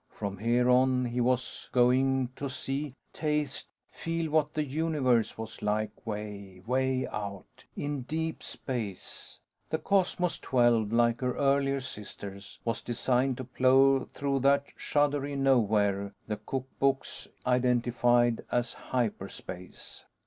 From here on, he was going to see, taste, feel what the universe was like way, way out in Deep Space. The Cosmos XII, like her earlier sisters, was designed to plow through that shuddery nowhere the cookbooks identified as "hyperspace."